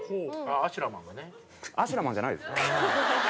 アシュラマンじゃないです。